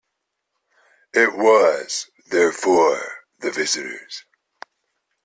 It was, therefore, the visitor's.